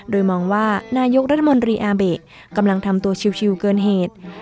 โดยมองว่านายกรัฐมนตรีอาเบะกำลังทำตัวชิวเกินเหตุ